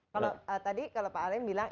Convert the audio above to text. kalau tadi kalau pak alem bilang